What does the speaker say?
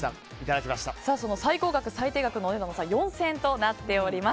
最高額、最低額のお値段の差は４０００円となっています。